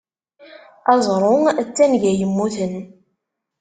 Aẓru d tanga yemmuten.